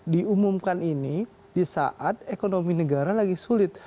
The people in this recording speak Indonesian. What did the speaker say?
diumumkan ini di saat ekonomi negara lagi sulit